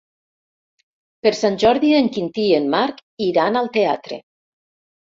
Per Sant Jordi en Quintí i en Marc iran al teatre.